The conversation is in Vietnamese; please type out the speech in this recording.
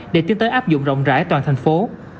để tiến tới áp dụng rộng rãi toàn thành phố